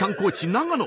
長野。